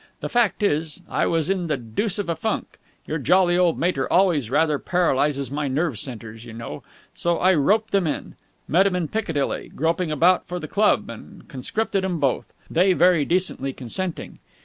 The fact is, I was in the deuce of a funk your jolly old mater always rather paralyses my nerve centres, you know so I roped them in. Met 'em in Piccadilly, groping about for the club, and conscripted 'em both, they very decently consenting.